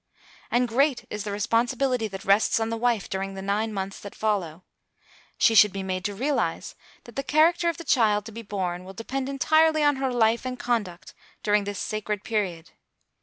And great is the responsibility that rests on the wife during the nine months that follow. She should be made to realise that the character of the child to be born will depend entirely on her life and conduct during this sacred period.